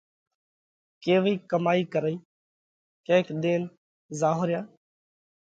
ڪيوئِي ڪمائِي ڪرئِي؟ ڪينڪ ۮينَ زائونه ريا،